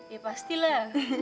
ya pasti lah